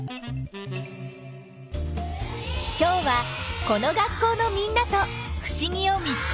今日はこの学校のみんなとふしぎを見つけよう。